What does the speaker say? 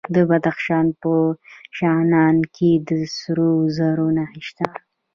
د بدخشان په شغنان کې د سرو زرو نښې شته.